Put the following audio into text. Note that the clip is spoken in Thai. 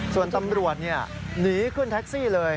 ส่วนตำรวจหนีขึ้นแท็กซี่เลย